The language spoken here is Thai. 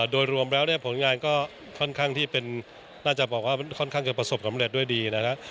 โดยรวมแล้วเนี่ยผลงานก็ค่อนข้างที่เป็นน่าจะบอกว่าค่อนข้างจะประสบสำเร็จด้วยดีนะครับ